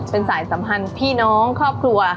เป็นสายสัมพันธ์พี่น้องครอบครัว